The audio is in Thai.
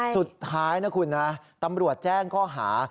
สุดท้ายนะคุณนะตำรวจแจ้งข้อหา